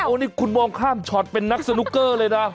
นี่คุณมองข้ามช็อตเป็นนักสนุกเกอร์เลยนะ